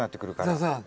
そうそう。